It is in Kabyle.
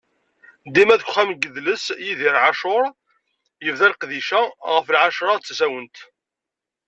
ddima deg Uxxam n yidles Idir Ɛacur, yebda leqdic-a, ɣef Lɛecṛa d tasawent.